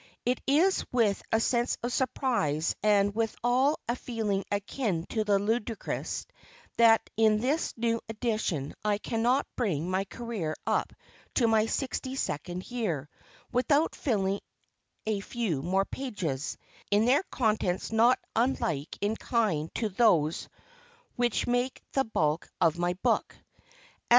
It is with a sense of surprise, and withal a feeling akin to the ludicrous, that in this new edition, I cannot bring my career up to my sixty second year, without filling a few more pages, in their contents not unlike in kind to those which make the bulk of my book.